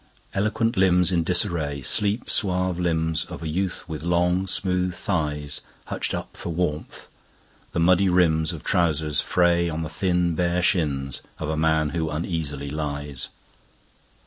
Eloquent limbsIn disarraySleep suave limbs of a youth with long, smooth thighsHutched up for warmth; the muddy rimsOf trousers frayOn the thin bare shins of a man who uneasily lies.